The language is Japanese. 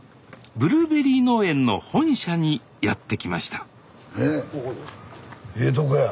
ブルーベリー農園の本社にやってきましたええとこや。